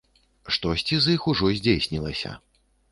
Штосьці з іх ужо здзейснілася.